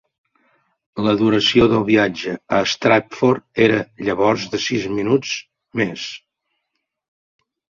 La duració del viatge a Stratford era llavors de sis minuts més.